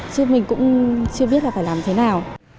chứ mình cũng chưa biết là phải làm thế nào